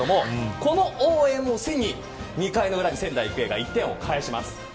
この応援を背に２回の裏に仙台育英が１点を返します。